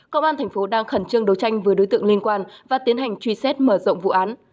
công an tp đang khẩn trương đấu tranh với đối tượng liên quan và tiến hành truy xét mở rộng vụ án